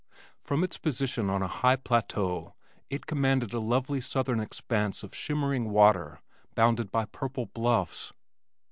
From its position on a high plateau it commanded a lovely southern expanse of shimmering water bounded by purple bluffs.